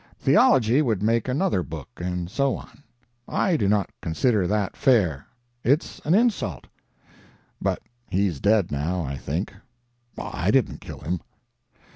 Theology would make another book, and so on. I do not consider that fair. It's an insult. But he's dead now, I think. I didn't kill him.